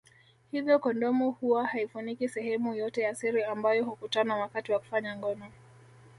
Hivyo kondomu huwa haifuniki sehemu yote ya siri ambayo hukutana wakati wa kufanya ngono